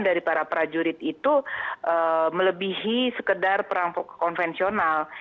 dari para prajurit itu melebihi sekedar perang konvensional